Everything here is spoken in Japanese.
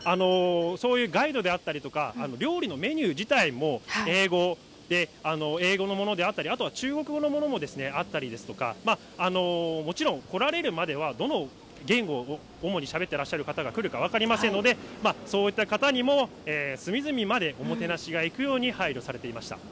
そういうガイドであったりとか、料理のメニュー自体も英語で、英語のものであったり、あとは中国語のものもあったりですとか、もちろん、来られるまでは、どの言語を主にしゃべってらっしゃる方が来るか分かりませんので、そういった方にも隅々までおもてなしがいくように、配慮されていました。